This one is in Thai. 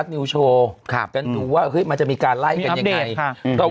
นิวโชว์กันดูว่าเฮ้ยมันจะมีการไล่กันยังไง